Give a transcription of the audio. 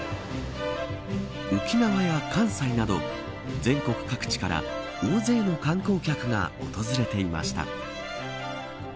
沖縄や関西など全国各地から大勢の観光客が訪れていました。